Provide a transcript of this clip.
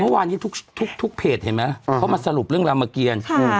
เมื่อวานนี้ทุกเพจเห็นไหมเขามาสรุปเรื่องรามเกียร